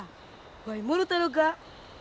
わいもろたろか？